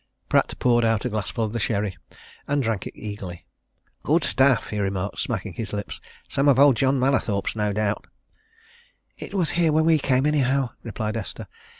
Pratt poured out a glassful of the sherry, and drank it eagerly. "Good stuff that!" he remarked, smacking his lips. "Some of old John Mallathorpe's no doubt." "It was here when we came, anyhow," replied Esther.